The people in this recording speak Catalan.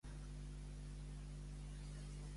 Quin paper va tenir Anquises?